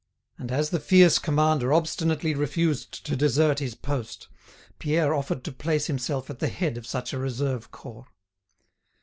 And as the fierce commander obstinately refused to desert his post, Pierre offered to place himself at the head of such a reserve corps.